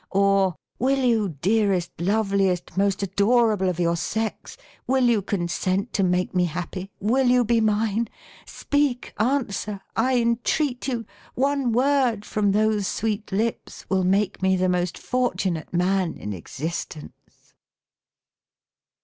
or, " Will you, dearest, loveliest, most adorable of your sex, will you consent to make me happy ; will you be mine ? speak ! answer, I entreat you ! One word from those sweet lips will make me the most fortunate man in existence